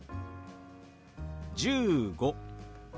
「１５」。